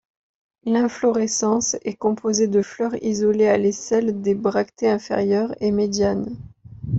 L'inflorescence est composée de fleurs isolées à l'aisselle des bractées inférieures et médianes.